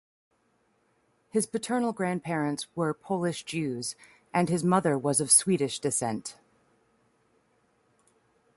His paternal grandparents were Polish Jews and his mother was of Swedish descent.